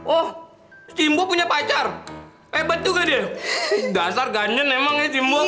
oh simbo punya pacar hebat juga dia dasar ganyan emangnya simbo